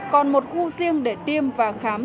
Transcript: còn một khu riêng để tiêm và khám